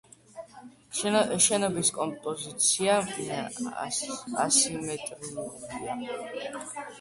შენობის კომპოზიცია ასიმეტრიულია.